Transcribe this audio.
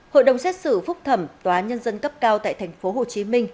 hội đồng xét xử phúc thẩm tòa nhân dân cấp cao tại tp hcm